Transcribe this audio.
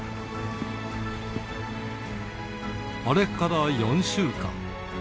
あれから４週間。